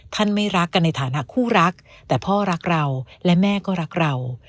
ไม่รักกันในฐานะคู่รักแต่พ่อรักเราและแม่ก็รักเรา